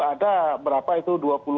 ada berapa itu dua puluh satu